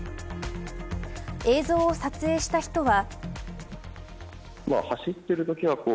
映像を撮影した人は。